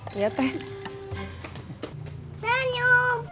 sini kamu di tengah